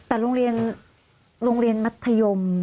แต่โรงเรียนโรงเรียนมัธยม